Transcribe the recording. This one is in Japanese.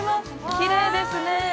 きれいですね。